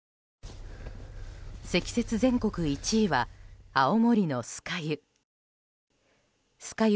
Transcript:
積雪全国１位は青森の酸ヶ湯。